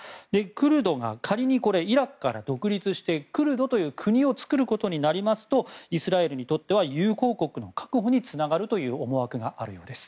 クルドが仮に、イラクから独立してクルドという国を作ることになるとイスラエルにとっては友好国の確保につながる思惑があります。